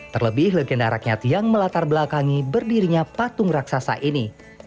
terlebih legenda rakyat yang melatar belakangi berdirinya patung raksasa ini